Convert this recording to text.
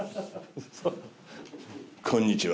こんにちは。